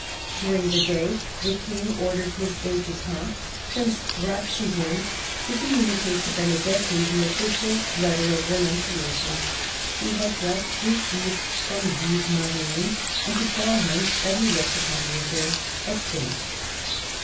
During the day the King ordered his aide de camp, Prince Radziwill, to communicate to Bene detti the official letter of renunciation he had just received from Sigmaringen, and to tell him that he looked upon the affair as finished.